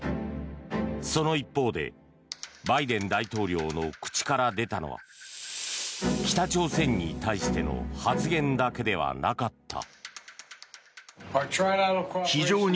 その一方でバイデン大統領の口から出たのは北朝鮮に対しての発言だけではなかった。